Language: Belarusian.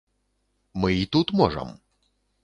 Мы й тут можам.